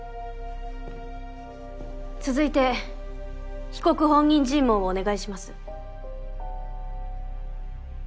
続いて被告本人尋問をお願いします。